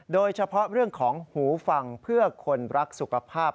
โดยเฉพาะเรื่องของหูฟังเพื่อคนรักสุขภาพ